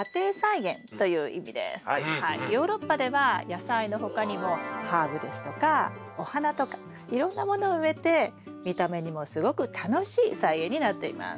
ヨーロッパでは野菜の他にもハーブですとかお花とかいろんなものを植えて見た目にもすごく楽しい菜園になっています。